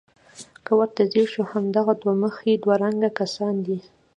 که ورته ځیر شو همدغه دوه مخي دوه رنګه کسان دي.